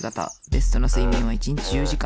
ベストな睡眠は一日１０時間。